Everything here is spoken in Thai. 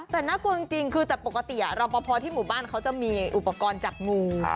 แต่น่ากลัวจริงคือแต่ปกติรอปภที่หมู่บ้านเขาจะมีอุปกรณ์จับงู